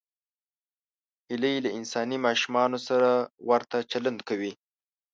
هیلۍ له انساني ماشومانو سره ورته چلند کوي